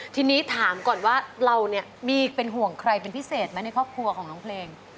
ทีนี้ถามก่อนว่าเราเนี่ยมีเป็นห่วงใครเป็นพิเศษไหมในครอบครัวของน้องเพลง